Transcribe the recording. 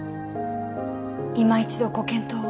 いま一度ご検討を。